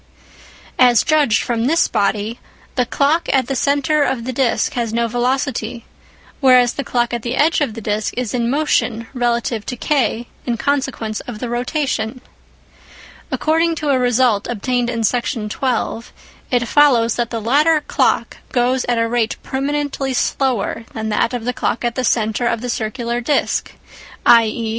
As judged from this body, the clock at the centre of the disc has no velocity, whereas the clock at the edge of the disc is in motion relative to K in consequence of the rotation. According to a result obtained in Section 12, it follows that the latter clock goes at a rate permanently slower than that of the clock at the centre of the circular disc, i.e.